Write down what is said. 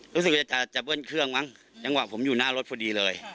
รู้สึกว่าจะเบิ้ลเครื่องมั้งจังหวะผมอยู่หน้ารถพอดีเลย